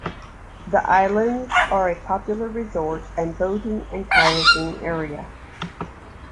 The islands are a popular resort and boating and kayaking area.